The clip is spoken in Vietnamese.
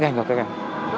nhanh cho các em